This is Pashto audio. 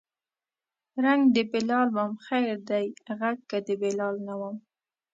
رنګ د بلال وم خیر دی غږ که د بلال نه وم